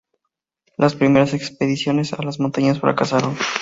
Las primeras expediciones a las montañas fracasaron.